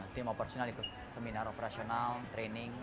tim operasional ikut seminar operasional training